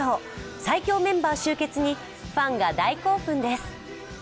最強メンバー集結にファンが大興奮です。